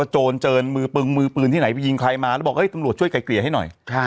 โจรเจอมือปึงมือปืนที่ไหนไปยิงใครมาแล้วบอกตำรวจช่วยไกลเกลี่ยให้หน่อย